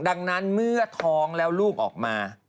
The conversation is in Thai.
ดังนั้นเมื่อท้องแล้วลูกออกมา